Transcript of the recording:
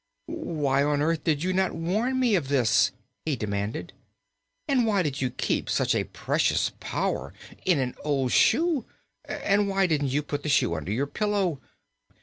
"Why on earth did you not warn me of this?" he demanded. "And why did you keep such a precious power in an old shoe? And why didn't you put the shoe under a pillow?